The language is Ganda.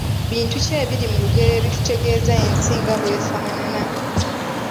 Bintu ki ebiri mu lugero ebitutegeeza ensi nga bw’efaanana?